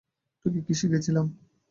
তোকে কী শিখিয়েছিলাম?